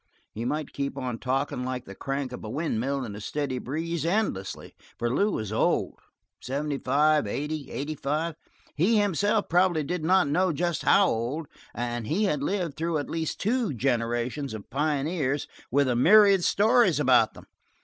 He might keep on talking like the clank of a windmill in a steady breeze, endlessly. For Lew was old seventy five, eighty, eighty five he himself probably did not know just how old and he had lived through at least two generations of pioneers with a myriad stories about them.